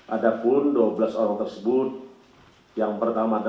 rf kasubat keuangan setda kabupaten bogor